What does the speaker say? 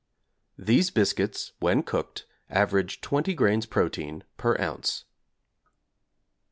These biscuits when cooked average 20 grains protein per ounce.